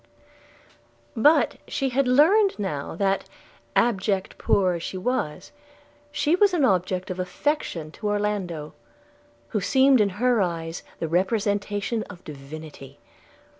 But she had learned now that, abject and poor as she was, she was an object of affection to Orlando, who seemed in her eyes the representation of divinity.